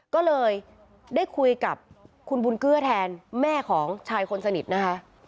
ก็เลยได้คุยกับคุณบุญเกื้อแทนแม่ของชายคนสนิทนะคะ